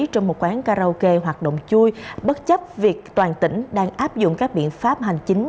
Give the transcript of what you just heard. trong một quán karaoke hoạt động chui bất chấp việc toàn tỉnh đang áp dụng các biện pháp hành chính